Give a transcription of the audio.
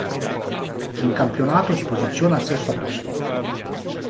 In campionato si posiziona al sesto posto.